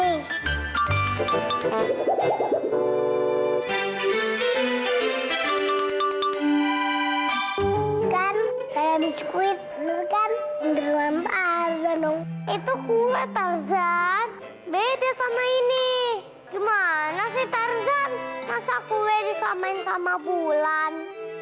itu kuat tarzan beda sama ini gimana sih tarzan masak kue disamain sama bulan